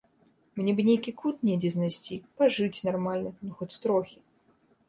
Мне бы нейкі кут недзе знайсці, пажыць нармальна, ну хоць трохі.